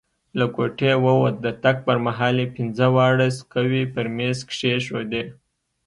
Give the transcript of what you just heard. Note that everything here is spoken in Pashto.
له کوټې ووت، د تګ پر مهال یې پینځه واړه سکوې پر میز کښېښودې.